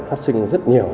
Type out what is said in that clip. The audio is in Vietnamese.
phát sinh rất nhiều